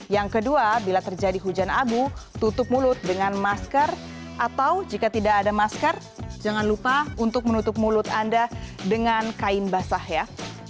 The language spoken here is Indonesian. yang kedua bila terjadi hujan abu tutup mulut dengan masker atau jika tidak ada masker jangan lupa untuk menutup mulut anda dengan kain basah ya